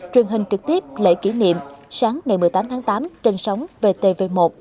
truyền hình trực tiếp lễ kỷ niệm sáng ngày một mươi tám tháng tám trên sóng vtv một